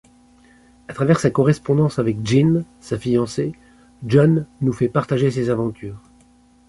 À travers sa correspondance avec Jean, sa fiancée, John nous fait partager ses aventures.